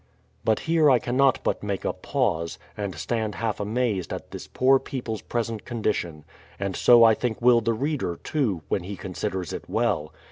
. But here I cannot but make a pause, and stand half THE PLYMOUTH SETTLEMENT 65 amazed at this poor people's present condition ; and so I think will the reader, too, when he considers it well.